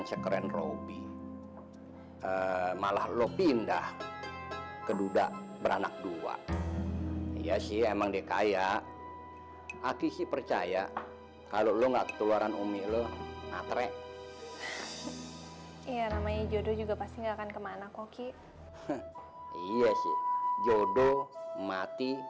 saya tidak akan mengalahkan kamu lagi